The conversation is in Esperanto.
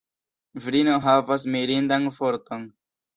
Virino havas mirindan forton.